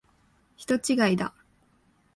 人違いだ。